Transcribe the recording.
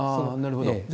なるほど。